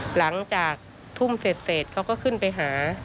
หลังจากทุ่มเสร็จเขาก็ขึ้นไปหา